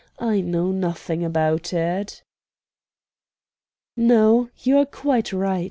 I know nothing about it." "No; you are quite right.